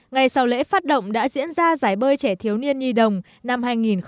ngày sau lễ phát động đã diễn ra giải bơi trẻ thiếu niên nhi đồng năm hai nghìn một mươi chín